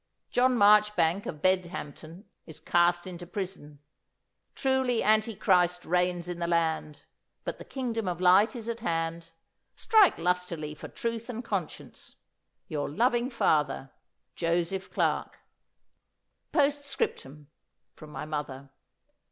John Marchbank, of Bedhampton, is cast into prison. Truly Antichrist reigns in the land, but the kingdom of light is at hand. Strike lustily for truth and conscience. Your loving father, JOSEPH CLARKE."' '"Postscriptum (from my mother).